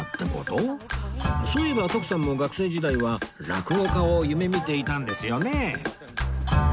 そういえば徳さんも学生時代は落語家を夢見ていたんですよね